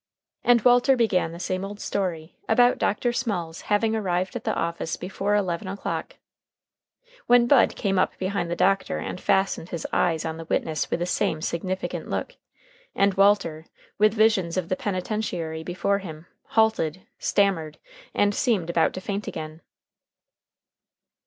And Walter began the same old story about Dr. Small's having arrived at the office before eleven o'clock, when Bud came up behind the doctor and fastened his eyes on the witness with the same significant look, and Walter, with visions of the penitentiary before him halted, stammered, and seemed about to faint again.